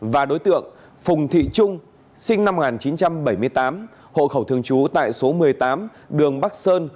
và đối tượng phùng thị trung sinh năm một nghìn chín trăm bảy mươi tám hộ khẩu thường trú tại số một mươi tám đường bắc sơn